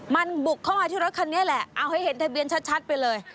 มันบุกเข้ามาที่รถคันนี้แหละเอาให้เห็นทะเบียนชัดไปเลย